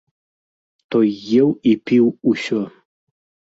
Той еў і піў усё.